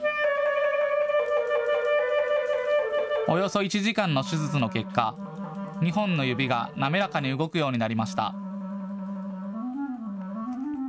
およそ１時間の手術の結果、２本の指が滑らかに動くようになりました。